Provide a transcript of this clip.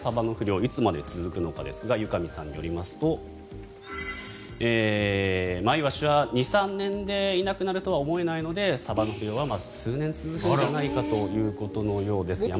いつまで続くのかですが由上さんによりますとマイワシは２３年でいなくなるとは思えないのでサバの不漁は数年続くのではないかということのようです。